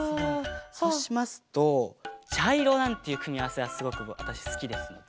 そうしますとちゃいろなんていうくみあわせはすごくわたしすきですので。